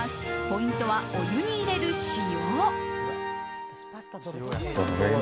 ポイントはお湯に入れる塩。